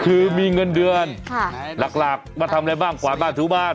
คือมีเงินเดือนหลักมาทำอะไรบ้างกวาดบ้านถูบ้าน